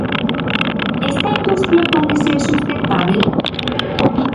Esta industria pode ser sustentábel?